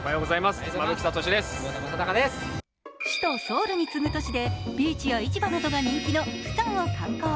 首都・ソウルに次ぐ都市でビーチや市場などが人気のプサンを観光。